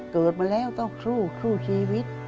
เกิดมาแล้วต้องคลุกคลุกชีวิต